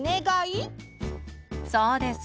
そうです！